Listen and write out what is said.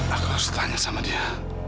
aku harus tanya sama dia